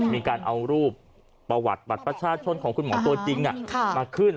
มีการเอารูปประวัติบัตรประชาชนของคุณหมอตัวจริงมาขึ้น